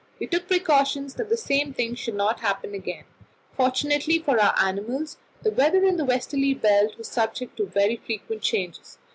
We took precautions that the same thing should not happen again. Fortunately for our animals, the weather in the westerly belt was subject to very frequent changes.